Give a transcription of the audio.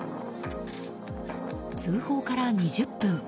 通報から２０分。